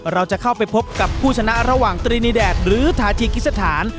เราจะเข้าไปพบกับผู้ชนะระหว่างตรีนีแดดหรือทาจีกิสถาน